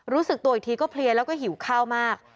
รู้สึกตัวอีกทีก็เพลียแล้วก็หิวข้าวมาก